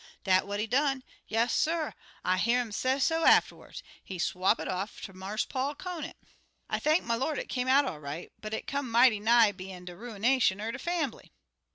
Dat what he done. Yasser! I hear 'im sesso afterwards. He swap it off ter Marse Paul Conant. "I thank my Lord it come out all right, but it come mighty nigh bein' de ruination er de fambly."